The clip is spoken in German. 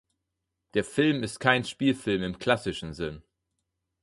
Der Film ist kein Spielfilm im klassischen Sinn.